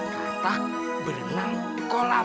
katak berenang di kolam